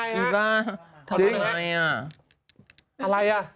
ยังไงฮะทำอะไรอ่ะอะไรอ่ะ